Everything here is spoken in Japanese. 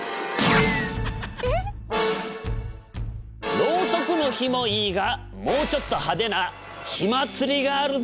ろうそくの火もいいがもうちょっと派手な火祭りがあるぞ！